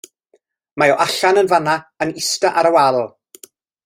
Mae o allan yn fan 'na yn ista ar y wal.